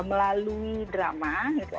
melalui drama gitu